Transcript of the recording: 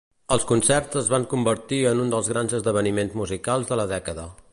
Els concerts es van convertir en un dels grans esdeveniments musicals de la dècada.